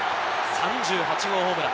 ３８号ホームラン。